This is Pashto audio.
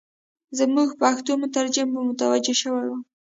زموږ پښتو مترجم به متوجه شوی وای.